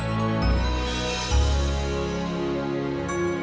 aneh ya allah